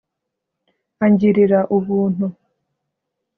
angirira ubuntu.